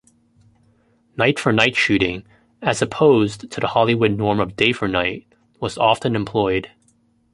Night-for-night shooting, as opposed to the Hollywood norm of day-for-night, was often employed.